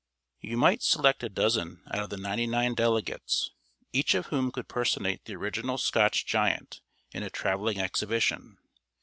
] You might select a dozen out of the ninety nine delegates, each of whom could personate the Original Scotch Giant in a traveling exhibition.